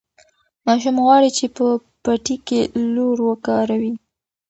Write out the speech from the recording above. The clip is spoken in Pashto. ماشوم غواړي چې په پټي کې لور وکاروي.